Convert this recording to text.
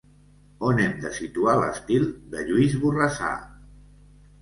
On hem de situar l'estil de Lluís Borrassà?